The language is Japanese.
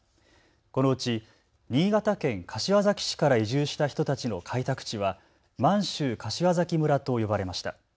このうち新潟県柏崎市から移住した人たちの開拓地は満州柏崎村と呼ばれました。